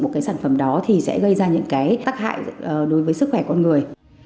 một sản phẩm đó thì sẽ gây ra những tác hại đối với sức khỏe con người